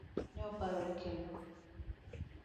Ne oparore kendo.